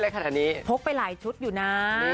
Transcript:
ขนาดนี้พกไปหลายชุดอยู่นะ